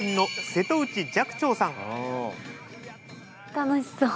楽しそう。